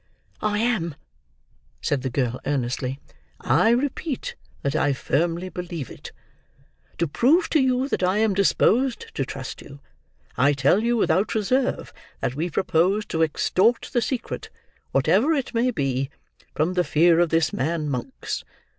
"I am," said the girl earnestly. "I repeat that I firmly believe it. To prove to you that I am disposed to trust you, I tell you without reserve, that we propose to extort the secret, whatever it may be, from the fear of this man Monks.